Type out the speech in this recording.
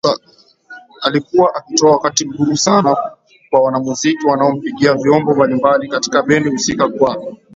alikuwa akitoa wakati mgumu sana kwa wanamuziki wanaompigia vyombo mbalimbali katika bendi husika kwa